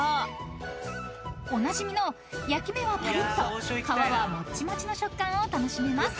［おなじみの焼き目はぱりっと皮はもちもちの食感を楽しめます］